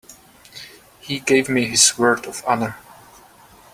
He gave me his word of honor.